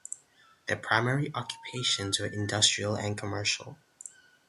Their primary occupations were industrial and commercial.